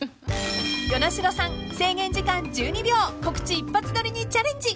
［與那城さん制限時間１２秒告知一発撮りにチャレンジ］